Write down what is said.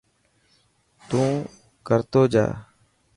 تون ڪرو جا.